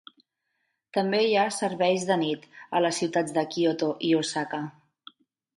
També hi ha serveis de nit a les ciutats de Kyoto i Osaka.